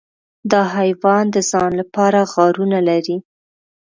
دا حیوان د ځان لپاره غارونه لري.